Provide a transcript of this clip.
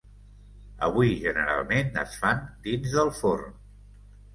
Avui generalment es fan dins del forn.